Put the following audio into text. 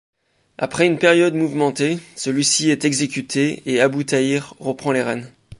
Après une période mouvementée, celui-ci est exécuté et Abû Tâhir reprend les rênes.